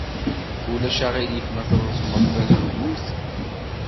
Ulac aɣilif ma treẓmed tazewwut?